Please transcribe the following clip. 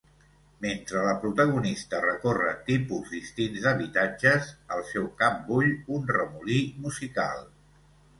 Mentre la protagonista recorre tipus distints d'habitatges, al seu cap bull un remolí musical.